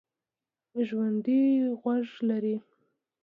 ژوندي غوږ لري